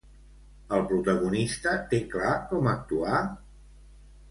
El protagonista té clar com actuar?